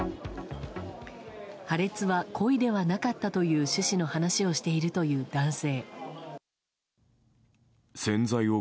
破裂は故意ではなかったという趣旨の話をしている男性。